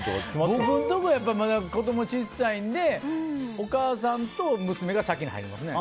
僕のところはまだ子供が小さいんでお母さんと娘が先に入りますね。